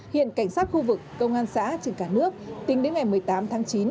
hiện cảnh sát khu vực công an xã trên cả nước tính đến ngày một mươi tám tháng chín